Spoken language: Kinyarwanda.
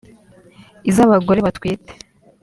iz’abagore batwite